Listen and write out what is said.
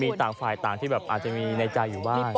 มีต่างฝ่ายต่างที่แบบอาจจะมีในใจอยู่บ้าง